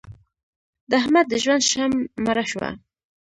د احمد د ژوند شمع مړه شوه.